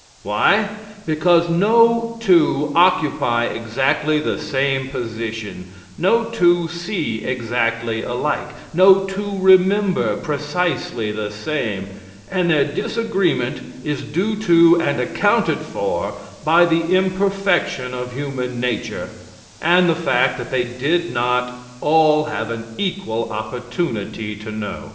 Why? Because no two occupy exactly the same position; no two see exactly alike; no two remember precisely the same, and their disagreement is due to and accounted for by the imperfection of human nature, and the fact that they did not all have an equal opportunity to know.